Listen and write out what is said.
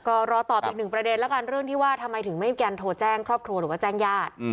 ก็รอตอบอีกหนึ่งประเด็นแล้วกันเรื่องที่ว่าทำไมถึงไม่มีการโทรแจ้งครอบครัวหรือว่าแจ้งญาติ